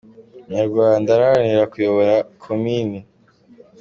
Umunyarwanda arahatanira kuyobora komini